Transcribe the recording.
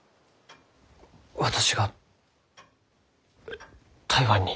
私が台湾に？